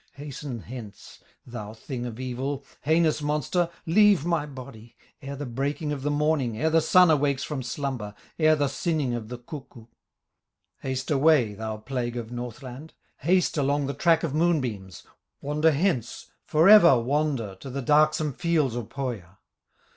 "Hasten hence, thou thing of evil, Heinous monster, leave my body, Ere the breaking of the morning Ere the Sun awakes from slumber, Ere the sinning of the cuckoo; Haste away, thou plague of Northland, Haste along the track of moonbeams, Wander hence, forever wander, To the darksome fields of Pohya.